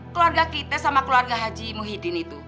keluarga kita sama keluarga haji muhyiddin itu